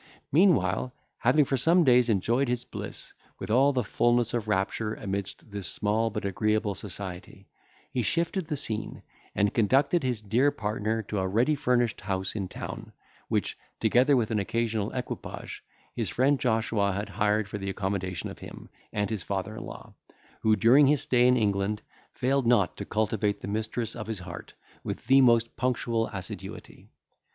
Meanwhile, having for some days enjoyed his bliss with all the fulness of rapture amidst this small but agreeable society, he shifted the scene, and conducted his dear partner to a ready furnished house in town, which, together with an occasional equipage, his friend Joshua had hired for the accommodation of him and his father in law, who, during his stay in England, failed not to cultivate the mistress of his heart with the most punctual assiduity.